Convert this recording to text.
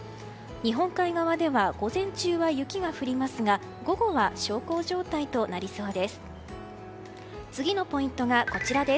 日本海側では午前中は雪が降りますが午後は小康状態となりそうです。